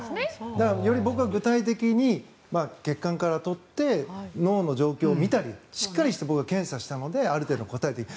だからより僕が具体的に血管から採って脳の状況を見たりしっかりした検査をしたのである程度答えている。